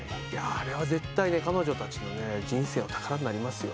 あれは絶対ね彼女たちのね人生の宝になりますよ。